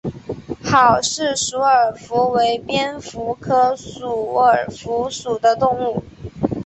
郝氏鼠耳蝠为蝙蝠科鼠耳蝠属的动物。